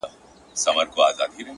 ما چي د ميني په شال ووهي ويده سمه زه ـ